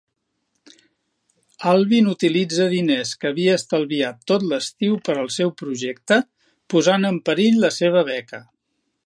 Alvin utilitza diners que havia estalviat tot l'estiu per al seu projecte, posant en perill la seva beca.